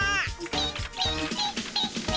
ピッピッピッピッ。